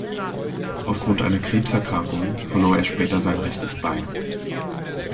Aufgrund einer Krebserkrankung verlor er später sein rechtes Bein.